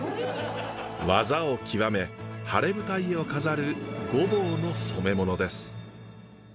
技を極め晴れ舞台を飾る御坊の染め物です。